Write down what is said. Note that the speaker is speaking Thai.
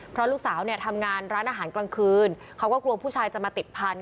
เพราะลูกสาวเนี่ยทำงานร้านอาหารกลางคืนเขาก็กลัวผู้ชายจะมาติดพันธ